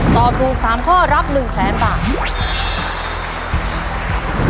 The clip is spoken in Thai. ตอบถูก๓ข้อรับ๑แสนบาท